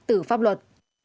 từ pháp luật